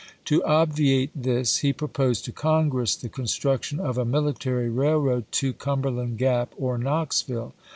To obviate this he proposed to Congress the construc tion of a military railroad to Cumberland Gap or Knoxville.